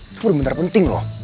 itu bener bener penting loh